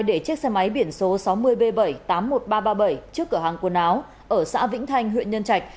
để chiếc xe máy biển số sáu mươi b bảy tám mươi một nghìn ba trăm ba mươi bảy trước cửa hàng quần áo ở xã vĩnh thanh huyện nhân trạch